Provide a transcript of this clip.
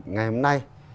ngày hôm nay